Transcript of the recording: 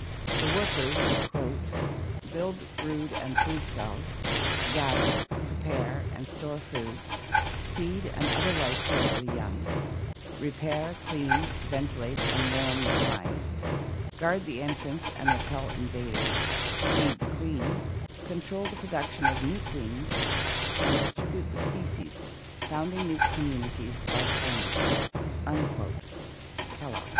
The workers " build brood and food cells, gather, prepare, and store food, feed and otherwise care for the young, repair, clean, ventilate, and warm the hive, guard the entrance and repel invaders, feed the queen, control the production of new queens, and distribute the species, founding new communities, by swarming" (Kellogg).